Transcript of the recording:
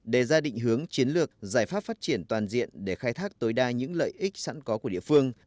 đề ra định hướng chiến lược giải pháp phát triển toàn diện để khai thác tối đa những lợi ích sẵn có của địa phương